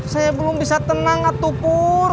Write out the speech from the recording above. saya belum bisa tenang atu pur